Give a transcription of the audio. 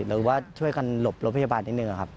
หรือว่าช่วยกันหลบรถพยาบาลนิดนึงครับ